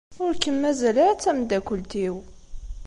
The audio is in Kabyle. Ur kem-mazal ara d tameddakelt-iw.